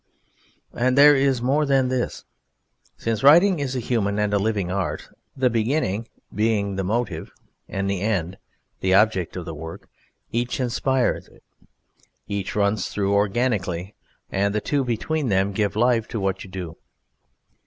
And there is more than this: since writing is a human and a living art, the beginning being the motive and the end the object of the work, each inspires it; each runs through organically, and the two between them give life to what you do.